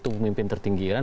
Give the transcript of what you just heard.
pemimpin tertinggi iran